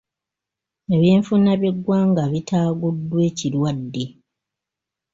Ebyenfuna by’eggwanga bitaaguddwa ekirwadde.